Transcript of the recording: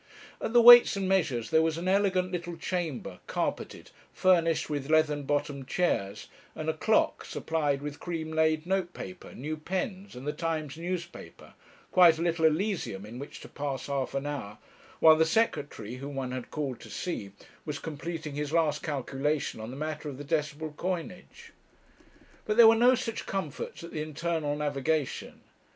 At the Weights and Measures there was an elegant little chamber, carpeted, furnished with leathern bottomed chairs, and a clock, supplied with cream laid note paper, new pens, and the Times newspaper, quite a little Elysium, in which to pass half an hour, while the Secretary, whom one had called to see, was completing his last calculation on the matter of the decimal coinage. But there were no such comforts at the Internal Navigation.